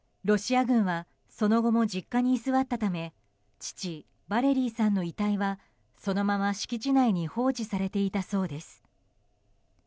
ロシア軍はその後も実家に居座ったため父ヴァレリィさんの遺体はそのまま敷地内に放置されていたそうです。